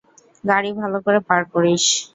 গাড়ি ভালো করে পার্ক করিস।